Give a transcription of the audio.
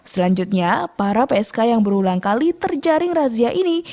selanjutnya para psk yang berulang kali terjaring razia ini